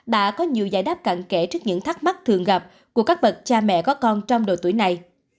đáp cạn kể trước những thắc mắc thường gặp của các bậc cha mẹ có con trong độ tuổi này